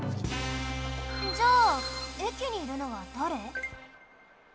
じゃあえきにいるのはだれ？